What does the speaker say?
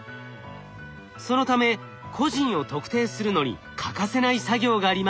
そのため個人を特定するのに欠かせない作業があります。